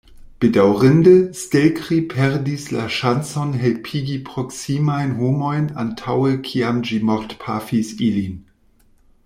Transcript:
Bedaŭrinde, Stelkri perdis la ŝancon helpigi proksimajn homojn antaŭe kiam ĝi mortpafis ilin.